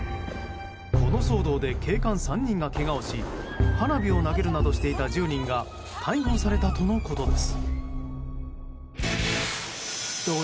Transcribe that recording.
この騒動で警官３人がけがをし花火を投げるなどしていた１０人が逮捕されたとのことです。